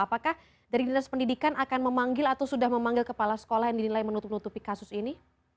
apakah dari dinas pendidikan akan memanggil atau sudah memanggil kepala sekolah yang dinilai menutup nutupi kasus ini